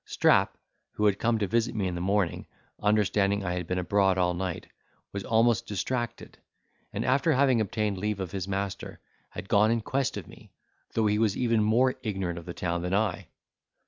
Strap, who had come to visit me in the morning, understanding I had been abroad all night, was almost distracted, and after having obtained leave of his master, had gone in quest of me, though he was even more ignorant of the town than I.